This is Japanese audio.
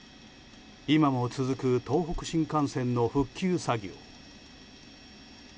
今も続く東北新幹線の復旧作業。